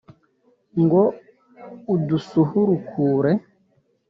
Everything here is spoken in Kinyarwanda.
ngo udusuhurukure